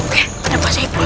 oke pada pasal itu